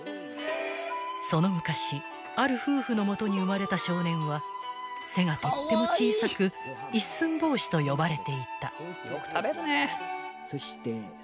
［そのむかしある夫婦のもとに生まれた少年は背がとっても小さく一寸法師と呼ばれていた］